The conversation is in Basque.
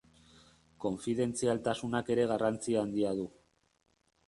Konfidentzialtasunak ere garrantzia handia du.